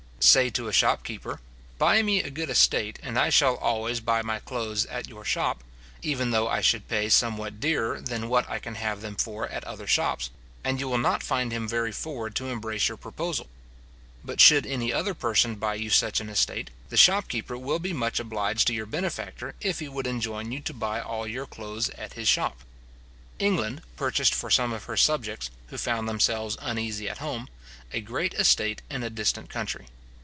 Say to a shopkeeper, Buy me a good estate, and I shall always buy my clothes at your shop, even though I should pay somewhat dearer than what I can have them for at other shops; and you will not find him very forward to embrace your proposal. But should any other person buy you such an estate, the shopkeeper will be much obliged to your benefactor if he would enjoin you to buy all your clothes at his shop. England purchased for some of her subjects, who found themselves uneasy at home, a great estate in a distant country.